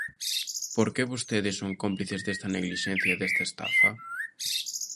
Porque vostedes son cómplices desta neglixencia e desta estafa.